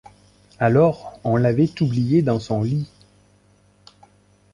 Alors, on l’avait oubliée dans son lit...